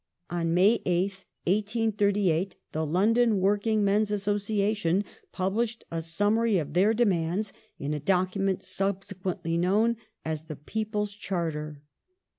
On May 8th, 1838, the London Working Men's Association published a summary of their demands in a document subsequently known as The People's Charter.